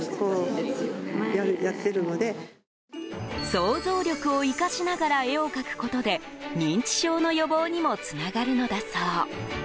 想像力を生かしながら絵を描くことで認知症の予防にもつながるのだそう。